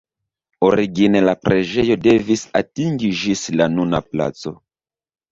Origine la preĝejo devis atingi ĝis la nuna placo.